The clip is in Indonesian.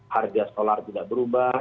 harga solar tidak berubah